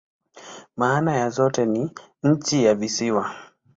Maana ya zote ni "nchi ya kisiwani.